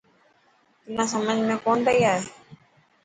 تنان سمجهه ۾ ڪون پئي آڻي.